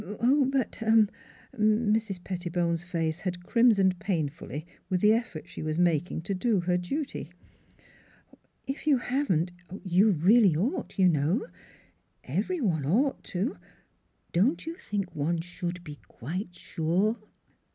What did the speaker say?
" But but " Mrs. Pettibone's face had crimsoned painfully with the effort she was mak 268 NEIGHBORS ing to do her duty. " If you haven't, you really ought, you know. ... Every one ought to don't you think one should be quite sure?"